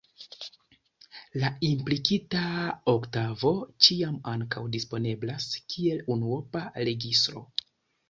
La implikita oktavo ĉiam ankaŭ disponeblas kiel unuopa registro.